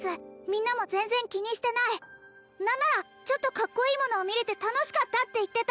みんなも全然気にしてない何ならちょっとカッコいいものを見れて楽しかったって言ってた